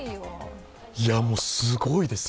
いやもう、すごいです。